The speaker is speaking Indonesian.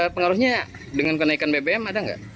pengaruhnya dengan kenaikan bbm ada nggak